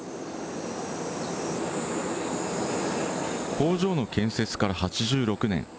工場の建設から８６年。